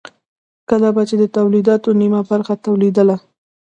کله به چې د تولیداتو نیمه برخه تولیدېدله